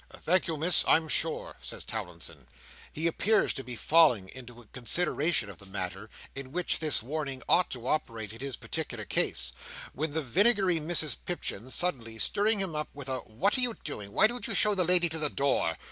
"Thank you, Miss, I'm sure," says Towlinson. He appears to be falling into a consideration of the manner in which this warning ought to operate in his particular case, when the vinegary Mrs Pipchin, suddenly stirring him up with a "What are you doing? Why don't you show the lady to the door?"